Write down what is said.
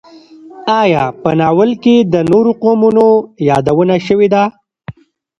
ایا په ناول کې د نورو قومونو یادونه شوې ده؟